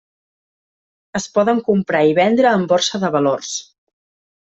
Es poden comprar i vendre en borsa de valors.